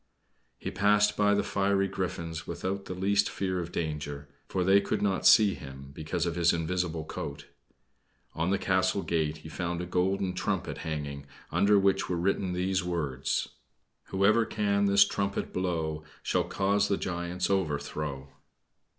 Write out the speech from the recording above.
He passed by the fiery griffins without the least fear of danger; for they could not see him, because of his invisible coat. On the castle gate he found a golden trumpet hanging, under which were written these words "Whoever can this trumpet blow, Shall cause the giant's overthrow."